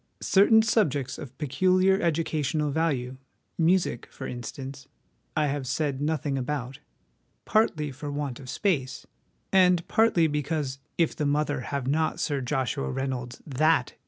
Certain subjects of peculiar educational value, music, for instance, I have said nothing about, partly for want of space, and partly because if the mother have not Sir Joshua Reynolds's 'that!'